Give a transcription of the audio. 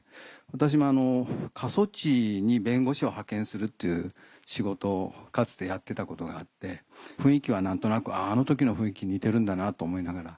私も過疎地に弁護士を派遣するっていう仕事をかつてやってたことがあって何となくあの時の雰囲気に似てるんだなと思いながら。